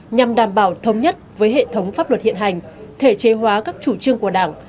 nhằm đảm bảo thống nhất với hệ thống pháp luật hiện hành thể chế hóa các chủ trương của đảng